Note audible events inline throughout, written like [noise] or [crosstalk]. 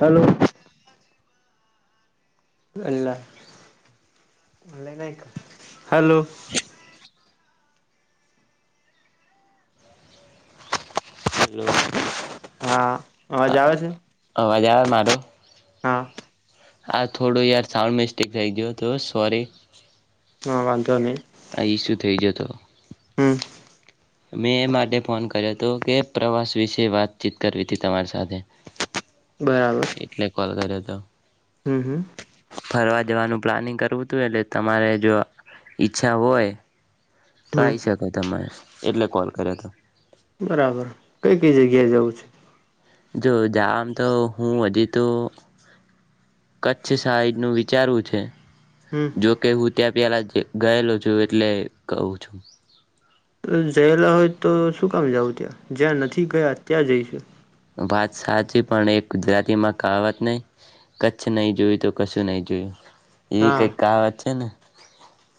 Hello અ hello હા અવાજ આવે છે [inaudible] અવાજ આવે મારો હા આ થોડો યાર સાઉન્ડ મિસ્ટેક જઈ તો સોરી હા વાંધો નહી ઇસુ થઈ ગયો તો હમ મેં એ માટે ફોન કર્યો તો કે પ્રવાસ વિશે વાતચીત કરવી હતી તમારી સાથે બરાબર એટલે કોલ કર્યો હતો હમ હમ ફરવા જવાનું પ્લાનિંગ કરવું હતું, એટલે તમારે જો ઈચ્છા હોય. તો હમ આઇ શકો તમે એટલે કોલ કર્યો હતો બરાબર કઈ કઈ જગ્યા જવું છે, જો જામ તો હું હજી તો કચ્છ સાઈડ નું વિચારૂ છે હમ જો કે હું ત્યાં પેલા ગ્યો ગયેલો છુ એટલે કહું છું. જયેલા હોય તો શું. હમજાયુ ત્યાં જ્યાં નથી ગયા ત્યાં જઈશ વાત સાચી પણ એક ગુજરાતીમાં કાવત નહીં, કચ્છ નહીં જોયું તો કશું નહીં જોયું. એવી કઈક હા કહાવત છે ને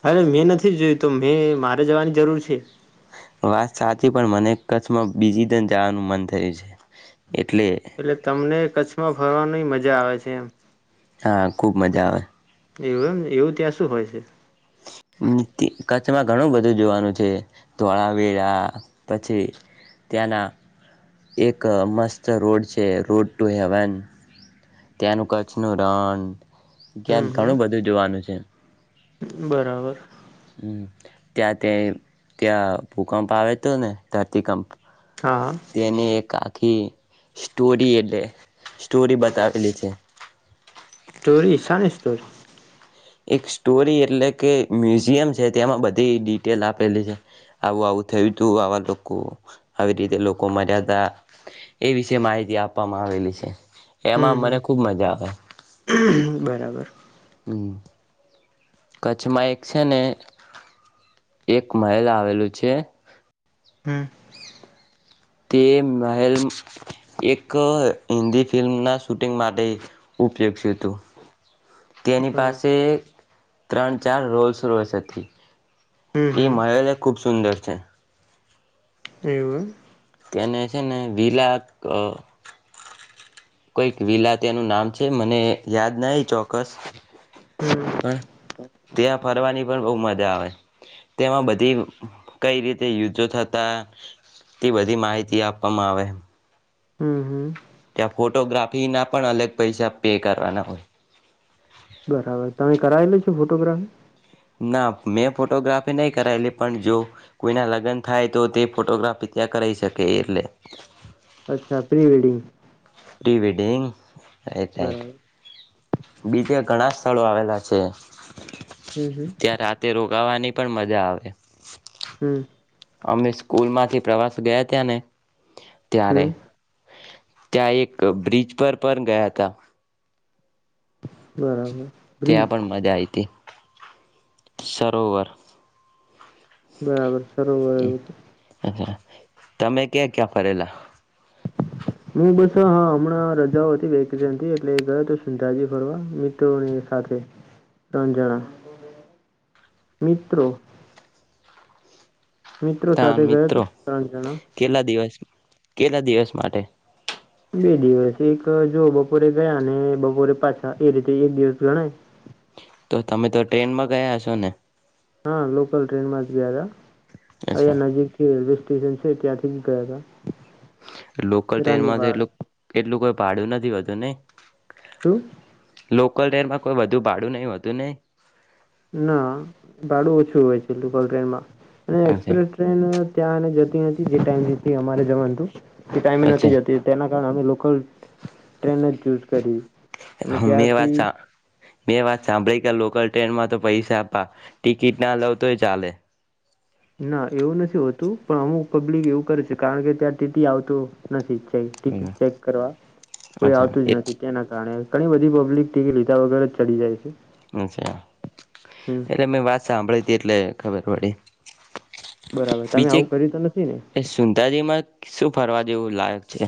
અરે મેં નથી જોયું તો મે મા જવાની જરૂર છે વાત સાચી પણ મને ક બીજી તર જવાનું મન થયું છે એટલે એટલે તમને કચ્છમાં ફરવાની મજા આવે છે એમ હા ખુબ મજા આવે એવું એમ એવું ત્યાં શું હોય છે કચ્છમાં ઘણું બધું જોવાનું છે ધોળાવેરા પછી ત્યાંના એક મસ્ત રોડ છે રોડ ટુ હેવન ત્યાંનું કચ્છનું રણ હમ ત્યા ઘણું હમ બધું જોવાનું છે બરાબર હમ ત્યા તે ત્યા ભૂકંપ આવે તો ને ધરતીકંપ હા તેને એક આખી સ્ટોરી એટલે સ્ટોરી બતાવેલી છે સ્ટોરી સાની સ્ટોરી એક સ્ટોરી એટલે કે મ્યુઝિયમ છે તેમાં બધી ડિટેલ આપેલી છે આવું આવું થયું તું આવા લોકો આવી રીતે લોકો મર્યા ત એ વિશે માહિતી આપવામાં આવેલી છે એમાં હમ મને ખૂબ મજા આવે હમ બરાબર હમ કચ્છમાં એક છે ને એક મહેલ આવેલું છે હમ તે મહેલ એક હિન્દી ફિલ્મના શૂટિંગ માટે ઉપયોગ થ્યુંતું તેની બરાબર પાસે ત્રણ ચાર રોલ્સ રોયસ હતી હમ એ હમ મહેલ ખુબ સુંદર છે એવું એમ કેને છેને વી લાખ અ કોઈક વિલા તેનું નામ છે મને યાદ નહ ચોક્કસ એમ હમ પણ ત્યાં ફરવાની પણ બહુ મ જ જા આવે, તેમાં બધી કઈ રીતે યુદ્ધો થતા, તે બધી માહિતી આપવામાં આવે. હમ હમ. ત્યાં ફોટોગ્રાફી ના પણ અલગ પૈસા પે કરવાના હોય. બરાબર તમે કરાવેલો છો ફોટોગ્રાફી? ના મેં ફોટોગ્રાફી નહી કરાયેલી પણ જો કોઈના લગ્ન થાય તો તે ફોટોગ્રાફી ત્યાં કરાઈ શકે એટલે. અચ્છા પ્રિ વેડિંગ. પ્રીવેેડિંગ. બરાબર બીજે ઘણા સ્થળો આવેલા લા છે. હમ હમ ત્યાં રાતે રોગાવાની પણ મજા આવે. હમ અમે સ્કૂલ માંથી પ્રવાસ ગયા ત્યાં ને ત્યારે. હમ ત્યાં એક બ્રિજ પર પણ ગયા હતા. બરાબર. બ્રિજ ત્યાં પણ મજા આઈ હતી. સરોવર. બરાબર. ર એવું તો તમે ક્યાં ક્યાં ફરેલા? હું બસ હા હમણાં રજાઓથી વેકથી એટલે ગયો તો સંધાજી ફરવા મિત્રોની સાથે, ત્રણ જણા, મિત્રો. મિત્રો ત સાથે ગયા મિત્રો ત્રણ જણા. કેટલા દિવસ કેટલા દિવસ માટે. બે દિવસ એક જો બપોરે ગયા ને બપોરે પાછા એ રીતે એક દિવસ ગણાય. તો તમે તો ટ્રેનમાં ગયા છો ને? હા લોકલ ટ્રેનમાં જ ગયા હતા. અચ્છા અયા નજીકથી સન ઐતિાસિક ગયા હતા. લોકલ ટ્રેન માં રાનીવાડ એટલું એટલું ભાડું નથી હોતું ને. શું લોકલ ટ્રેનમાં કોઈ વધું ભાડું નહ હતું નને? ના ભાડું ઓછું હોય છે ટલ ટ્રેનમાં. અને અચ્છા એક્સપ્રેસ ટ્રેન ત્યાંને જતી હતી જે ટાઈમ અમારે જવાનું તું. ટાઈમે નથી અચ્છા જતી તેના કારણ અમે લોકલ ટ્રેન જ ચુઝ કરી. અમે મે ત્યારથી વાતા મેં વાત સાંભળી લોકલ ટ્રેનમાં તો પૈસા આપવા ટિકિટ ના લો તો એ ચાલે ના એવું નથી હોતું પણ અમુક પબ્લિક એવું કરે છે કારણ કે ત્યાં ટી ટી આવતું નથી ટિકિટ ચેક કરવા કોઈ અચ્છા આવતું જ એ નથી તેના કારણે ઘણી બધી પબ્લિક ટિકિટ લીધા વગર જ ચડી જાય છે અચ્છા હમ એટલે મેં વાત સાંભળી હતી એટલે ખબરબડી બરાબર તમે બીજે આવું કર્યું તો નથી ને સુંદરી માં શું ફરવા જેવું લાયક છે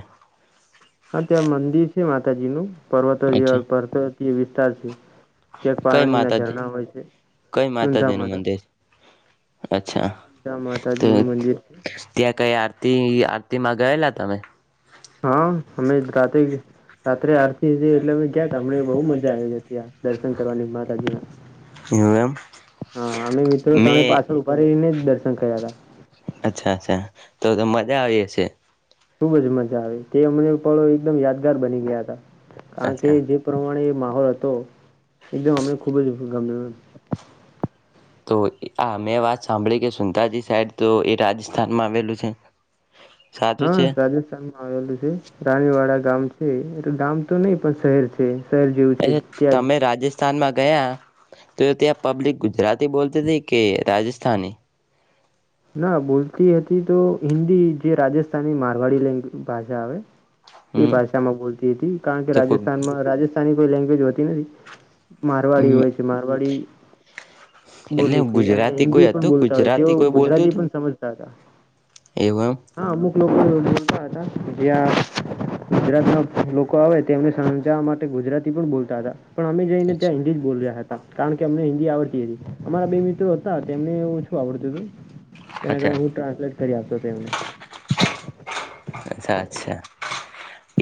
હા ત્યાં મંદિર છે માતાજી નું પર્વતો અચ્છા જેવા પર્ એ વિસ્તાર છે ક્યાંક કઈ પાણીના માતાજી ઝરણા હોય છે કઈ સુંધા માતાજી નું માતા મંદિર અચ્છા સુંધા તો માતાજીનું મંદિર છે. ત્યાં કઈ આ આરતી આરતી માં ગયેલા તમે હા હમેજ રાતે રાત્રે આરતી થી એટલે અમે ગયા ત હમને બહુ મજા આવી જ હતી દર્શન કરવાની માતાજીના એવું એમ હા અમે મિત્રો ત્રણે મેં પાછળ ઉભા રહીયે મેજ દર્શન કર્યા હતા અચ્છા અચ્છા તો તો મજા આવી હશે ખુબ જ મજા આવે તે હમને પળો એકદમ યાદગાર બની ગયા હતા કારણ કે અચ્છા જે પ્રમાણે માહોલ હતો એકદમ હમે ખુબ અજ ગમ્યું તો આ મેં વાત સાંભળી કે સુંતાાજી સાઈડ તો એ રાજસ્થાનમાં આવેલું છે સાચું હા છે રાજસ્થાનમાં આવેલું છે રાણીવાડા ગામ છે એ ગામ તો નહી પણ શહેર છે શહેર જેવું છે ત્યાં જ સ્થાનમાં ગયા તો ત્યાં પબ્લિક ગુજરાતી બોલતી હતી કે રાજસ્થાની ના બોલતી હતી તો હિન્દી જે રાજસ્થાની મારવાડી લેંગ ભાષા આવે એ હમ ભાષામાં બોલતી હતી કારણ કે તો રાજસ્થાનમાં રાજસ્થાની કોઈ લેંગ્વેજ હોતી નથી મારવાડી કોઈ હોય છે મારવાડી એટલે બોલે છે અને ગુજરાતી હિન્દી કોઈ પણ હતું બોલતા હોય તેઓ ગુજરાતી કોઈ બોલતું હતું સમજતા હતા એવું એમ હા અમુક લોકો જ્યાં ગુજરાત ના લોકો આવે તેમને સમજાવવા માટે ગુજરાતી પણ બોલતા હતા પણ અમે જઈને ત્યાં અચ્છા હિન્લી જ બોલ્યા હતા કારણ કે અમને આવડતી હતી અમારા બે મિત્રો હતા તેમને હું શું આવડતું હતું. તેના કારણે હું અચ્છા ટ્રાન્સલેટ કરી આપતો હતો એમને.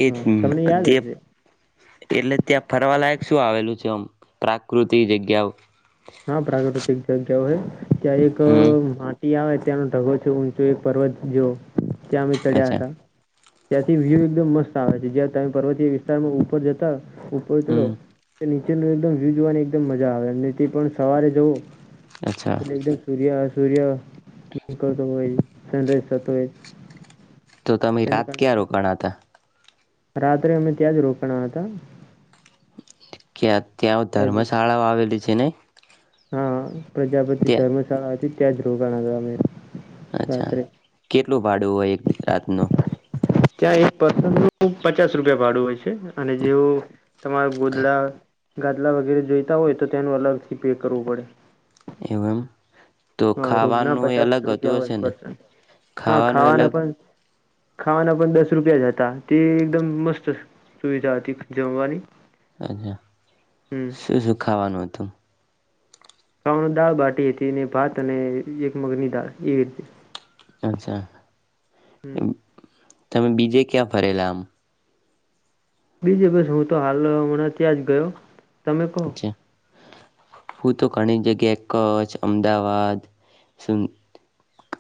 એજ હા ને તમને યાદ તે હશે એટલે ત્યાં ફરવાલાયક શું આવેલું છે આમ પ્રાકૃતિક જગ્યા. હા પ્રાકૃતિક જગ્યા હોય. ત્યાં એક હમ આવે ત્યાનો ઢગો છે ઊંચો એક પર્વત જો. ત્યાં અમે ચડ્યા અચ્છા હતા. ત્યાંથી વ્યુ એકદમ મસ્ત આવે છે જ્યાં તમે પર્વતીય વિસ્તારમાં ઉપર જતા. ઉપર તે હમ મ વ્યુ જોવાની એકદમ મજા આવે. થી પણ સવારે જવું. અચ્છા પટલે એકદમ સૂર્ય સૂર્ય. ક તો હોય. સનરાઈઝ સા તોય. તો તમે રાત ક્યાં રોકાણા હતા. રાત્રે અમે ત્યાં જ રોકાણા હતા. [inaudible] ત્યાં ત્યાંથી ધર્મશાળાઓ આવેલી છે ને. હા. પ્રજાપતિ ત્યાં ધર્મશાળા હતી. [unintelligible] અચ્છા રાત્રે કેટલું ભાડું હોય એક રાતનું. ત્યાં એક પસન પચાસ રૂપિયા ભાડું હોય છે અને જેવ તમારા ખ- ગોદડા ગાદલા વગેરે જોઈતા હોય તો તેનું અલગથી પે કરવું પડે. એવમ. હા રૂમ ના પચાસ રૂપિયા હોય ને પર્સન હા ખાવાનું એ ખાવાના અલગ પણ ખાવાના પણ દસ રૂપિયા જ હતા તે એકદમ મસ્ત સુવિધા હતી જમવાની. અચ્છા હમ શું શું ખાવાનું હતું. ખાવણ દાળ બાટી હતી ને ભાત અને એક મગની દાળ એવી રીતે. અચ્છા. હમ્મ. એમ તમે બીજે ક્યાં ફરેલા આમ. બીજે બસ હું તો હાલ હમણાં ત્યાં જ ગયો. તમે કહો અચ્છા હું તો ઘણી જગ્યાએ કચ્છ અમદાવાદ સુન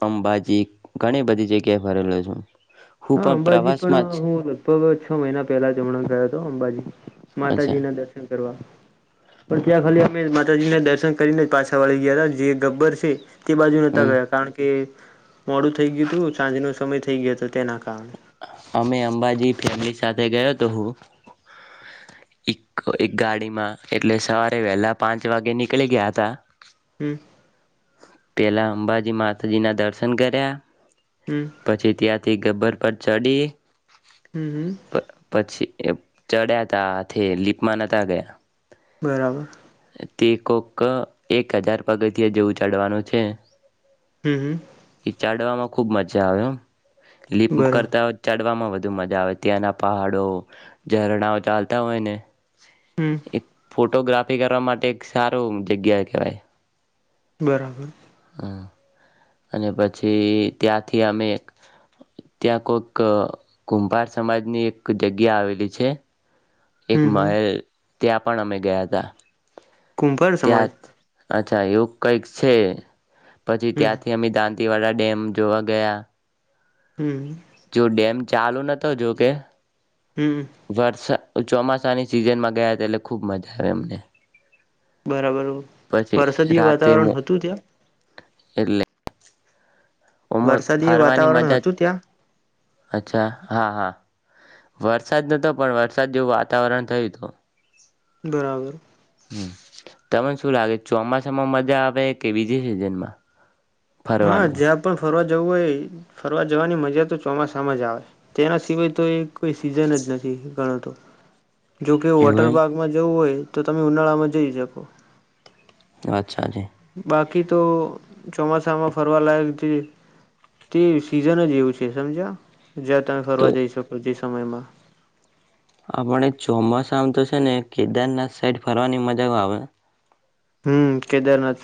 અંબાજી ઘણી બધી જગ્યાએ ફરેલો છું હું હા પણ અંબાજી પણ પ્રવાસમાં જ હું લગભગ છ મહિના પેલા જમણા ગયો હતો અંબાજી અચ્છા માતાજી ના દર્શન કરવા પણ ત્યાં ખાલી અમે માતાજી ના દર્શન કરીને પાછા વાળી ગયા હતા જે ગબ્બર છે તે બાજુ નહોતા હમ ગયા કારણ કે મોડું થઈ ગયું હતું સાંજ નો સમય થઈ ગયો હતો તે નાખ કાર [unintelligible] અમે અંબાજી ફેમિલી સાથે ગયો હતો હું એક એક ગાડીમાં એટલે સવારે વહેલા પાંચ વાગે નીકળી ગયા હતા હમ પેલા અંબાજી માતાજી ના દર્શન કર્યા હમ પછી ત્યાંથી ગબ્બર પર ચડી હમ હમ પ પછી. એ ચડ્યા તાથે લીપમાં નતા ગયા. બરાબર. તે કોક એક હજાર પગ થી જેવું ચડવાનું છે. હૂં હૂં. ચડવામાં ખુબ મજા આવે હો. લિપ બરાબર કરતા ચાડવામાં વધુ બ મજા આવે ત્યાંના પહાડો ઝરણાઓ ચાલતા હોય ને. હમ એક ફોટોગ્રાફ ફી કરવા માટે એક સારું જગ્યા કેવાય. બરાબર. અને પછી ત્યાંથી અમે ત્યાં કોઈક કુંભાર સમાજની એક જગ્યા આવેલી છે. એક હમ હમ મહેલ. ત્યાં પણ અમે ગયા હતા. કુંભાર સમાજ. ત્યાં અચ્છા યોગ કઈક છે. પછી હમ ત્યાંથી અમે દાંત દતીવાડા ડેમ જોવા ગયા. હમ. જો ચાલુ નતો જોકે. હમ વરસાદ ચોમાસાની સિઝનમાં ગયા હતા એટલે ખુબ મજા આવે એમને. બરાબર. વરસાદી રાતે વાતાવરણ હતું ત્યાં?. એટલે ઓમાં વરસાદી એ ફરવાની વાતાવરણ મજા હતું ત્યાં?. અચ્છા હા હા, વરસાદ નતો પણ વરસાદ જેવું વાતાવરણ થયું હતું. બરાબર. તમને શું લાગે ચોમાસામાં મજા આવે કે બીજી સિઝનમાં?. હા ફરવાનમાં? જ્યાં પણ ફરવાજ જવું હોય ફરવા જવાની મજા તો ચોમાસામાં જ આવે તેના સિવાય તો એ કોઈ સિઝન જ નથી ગણતો. જોકે એવું વોટર એમ પાર્કમાં જવું હોય. તો તમે ઉનાળામાં જઈ શકો. અચા ચાલે. બાકી તો ચોમાસામાં ફરવાલાાયક જે, તે સીઝન જ એવું છે સમજ્યા. જ તમે તો ફરવા જઈશકો પ સમયમાં. આપણે ચોમાસા આમ તો છે ને કેદારનાથ સાઈડ ફરવાની મજા આવે. હમ કેદારનાથ,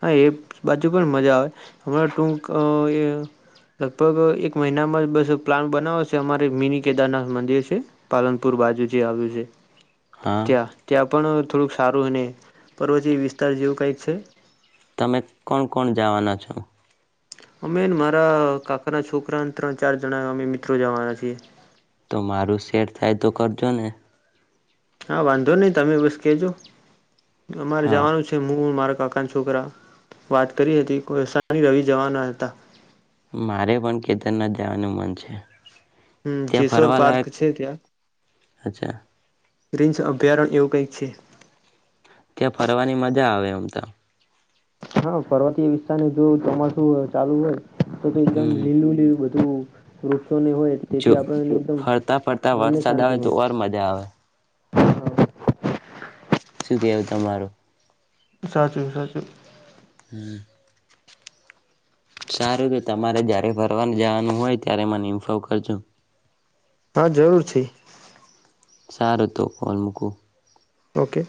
હા એ બાજુ પણ મજા આવે હમણાં ટૂક લગભગ એક મહિનામાં બસ પ્લાન બનાવ છે અમારે મિની કેદારનાથ મંદિર છે, પાલનપુર બાજુ જે આવ્યું છે. હા ત્યા ત્યા પણ થોડુંક સારું અને પર્વતીય વિસ્તાર જેવું કંઈક છે. તમે કોણ કોણ જવાના છો? અમેન મારા કાકાના છોકરાને ત્રણ ચાર જણા અમે મિત્રો જવાના છીએ. તો મારું શેર થાય તો કરજો ને. હા વાંધો નહી તમે બસ કેજો. અમારે હા જવાનું છે હું મારા કાકા છોકરા, વાત કરી હતી કોઈ સાની રવિ જવાના હતા. મારે પણ કેદારનાથ જવાનું મન છે. હમ ત્યાં જેશોર ફરવા પાર્ક લાયક છે ત્યાં. અચ્છા ર્રીન્સ અભયારણ્ય એવું કંઈક છે. ત્યાં ફરવાની મજા આવે આમ તો. હા પર્વતીય વિસ્તારને જો ચોમાસું ચાલુ હોય તો તો એકદમ હમ લીલું લીલું બધું હ રો જો ફરતા ફરતા મનને વરસાદ શાંતિ આવે તો મળે. ઓર મજા આવે. શું કેવ તમારું? વિ સાચૂ સાચું. હમ. સારું કે તમારે જયારે ફરવાનું જવાનું હોય ત્યારે મને ઇન્ફો કરજુ. હા જરૂર છે. સારું તો કોલ મૂકું ઓકે